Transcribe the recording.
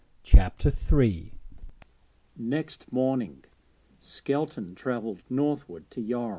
CHAPTER III Next morning Skelton travelled northward to Yarm.